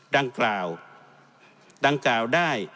ดังกล่าวได้